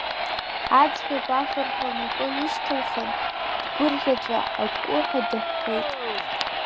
Аӡӷаб афырҳәа лнапы ҩышьҭылхын, дгәырӷьаҵәа акәкәуҳа дыҳәҳәеит.